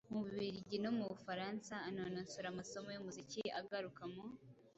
mu Bubiligi no mu Bufaransa - anononsora amasomo y'umuziki, agaruka mu